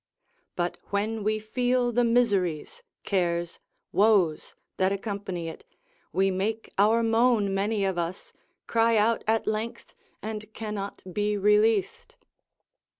But when we feel the miseries, cares, woes, that accompany it, we make our moan many of us, cry out at length and cannot be released.